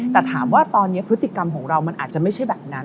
แต่ถามว่าตอนนี้พฤติกรรมของเรามันอาจจะไม่ใช่แบบนั้น